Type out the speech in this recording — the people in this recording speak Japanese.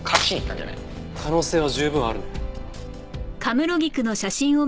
可能性は十分あるね。